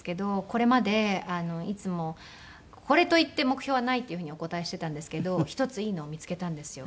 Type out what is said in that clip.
これまでいつも「これといって目標はない」っていうふうにお答えしていたんですけど一ついいのを見つけたんですよ。